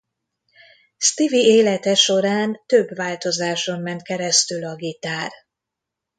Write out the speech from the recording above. Stevie élete során több változáson ment keresztül a gitár.